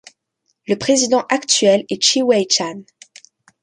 Le président actuel est Chi-Wei Chan.